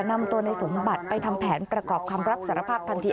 นำตัวในสมบัติไปทำแผนประกอบคำรับสารภาพทันที